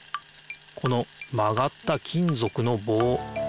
このまがった金ぞくのぼう。